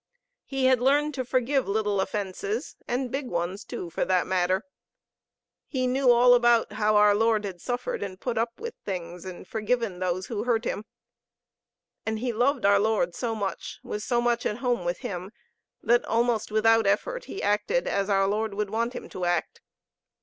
He had learned to forgive little offenses, and big ones, too, for that matter. He knew all about how our Lord had suffered and put up with things and forgiven those who hurt Him. And he loved our Lord so much, was so much at home with Him, that almost without effort he acted as our Lord would want him to act.